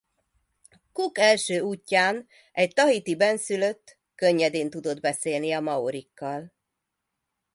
Cook első útján egy tahiti bennszülött könnyedén tudott beszélni a maorikkal.